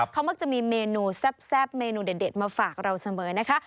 เขามักจะมีเมนูแซ่บเมนูเด็ดมาฝากเราเสมอนะคะ